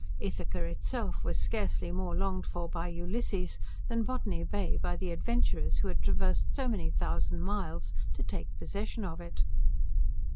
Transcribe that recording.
Ithaca itself was scarcely more longed for by Ulysses, than Botany Bay by the adventurers who had traversed so many thousand miles to take possession of it.